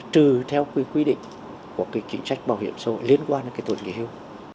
thứ theo quy định của cái chính trách bảo hiểm xã hội liên quan đến cái tuổi nghỉ hưu